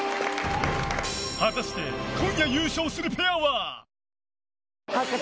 果たして今夜優勝するペアは？